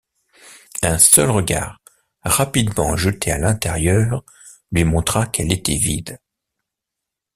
Un seul regard, rapidement jeté à l’intérieur, lui montra qu’elle était vide.